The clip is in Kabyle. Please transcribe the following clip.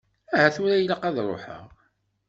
Ahat tura ilaq ad ṛuḥeɣ.